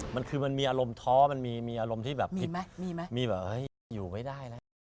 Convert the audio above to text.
มันคือมันมีอารมณ์ท้อมันมีอารมณ์ที่แบบผิดไหมมีไหมมีแบบเฮ้ยอยู่ไม่ได้แล้ว